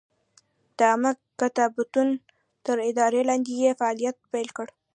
د عامه کتابتون تر ادارې لاندې یې فعالیت پیل کړ.